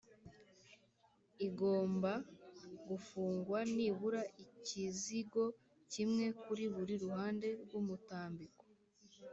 igomba gufungwa nibura ikizigo kimwe kuri buri ruhande rw’umutambiko